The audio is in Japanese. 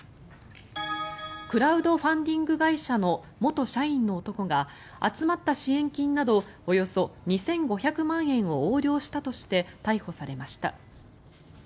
クラウドファンディング会社の元社員の男が集まった支援金などおよそ２５００万円を横領したとして逮捕されました。